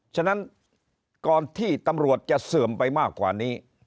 ฉะนั้นก่อนที่ตำรวจจะเสื่อมไปมากกว่านี้